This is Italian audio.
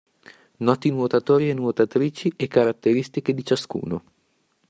Noti nuotatori e nuotatrici e caratteristiche di ciascuno.